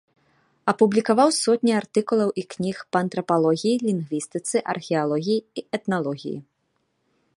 Апублікаваў сотні артыкулаў і кніг па антрапалогіі, лінгвістыцы, археалогіі і этналогіі.